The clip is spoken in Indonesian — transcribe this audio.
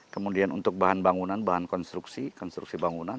kemudian untuk bahan bangunan bahan konstruksi konstruksi bangunan